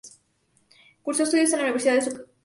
Cursó estudios en la Universidad de su ciudad natal.